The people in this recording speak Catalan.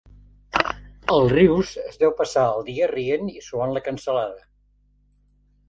El Rius es deu passar el dia rient i suant la cansalada.